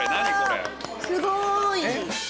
すごい！